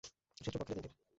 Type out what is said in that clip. শত্রু পক্ষের এজেন্টের।